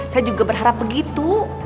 saya juga berharap begitu